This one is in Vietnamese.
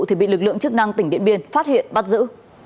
thì bị lực lượng chức năng tỉnh điện biên phát hiện bắt giữ